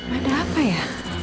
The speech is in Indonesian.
ada apa ya